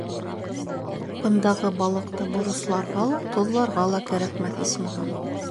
Бындағы балыҡты боросларға ла, тоҙларға ла кәрәкмәҫ, исмаһам.